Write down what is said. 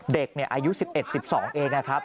เด็กอายุ๑๑๑๒เองนะครับ